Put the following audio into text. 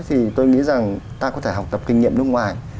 thì tôi nghĩ rằng ta có thể học tập kinh nghiệm nước ngoài